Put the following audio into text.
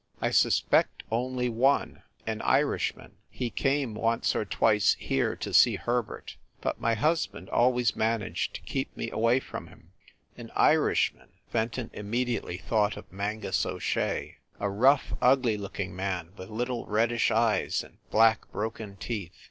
"I suspect only one, an Irishman. He came once or twice here to see Herbert, but my husband always managed to keep me away from him." "An Irishman?" Fenton immediately thought of Mangus O Shea. "A rough, ugly looking man, with little reddish eyes, and black, broken teeth.